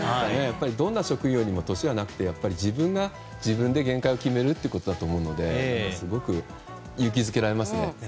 どんな職業にも年はなくて自分が自分で限界を決めることだと思うのですごく勇気づけられますね。